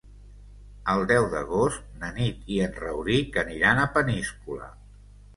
El deu d'agost na Nit i en Rauric aniran a Peníscola.